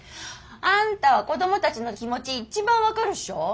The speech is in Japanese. あんたは子供たちの気持ち一番分かるっしょ？